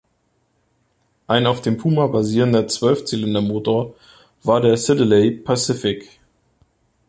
Ein auf dem "Puma" basierender Zwölfzylindermotor war der Siddeley Pacific.